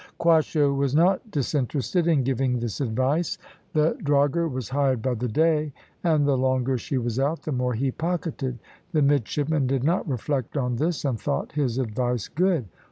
Quasho was not disinterested in giving this advice. The drogher was hired by the day, and the longer she was out the more he pocketed. The midshipmen did not reflect on this, and thought his advice good.